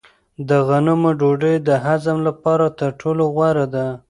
د غنمو ډوډۍ د هضم لپاره تر ټولو غوره ده.